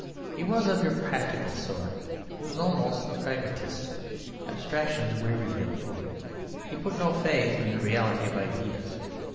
He was of your practical sort. He was almost a Pragmatist. Abstractions wearied him. He put no faith in the reality of ideas.